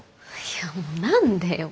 いやもう何でよ。